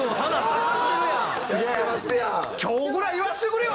今日ぐらい言わせてくれよ！